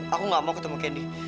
aku gak mau ketemu candy